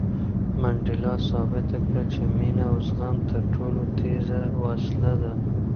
منډېلا ثابته کړه چې مینه او زغم تر ټولو تېزه وسله ده.